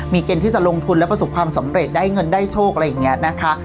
มีเกณฑ์ที่จะลงทุนและประสบความสำเร็จได้เงินได้โชคอะไรอย่างนี้นะคะ